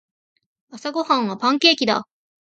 朝ごはんはパンケーキだ。